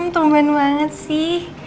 tungguin banget sih